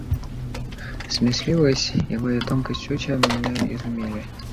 Сметливость его и тонкость чутья меня изумили.